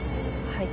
はい。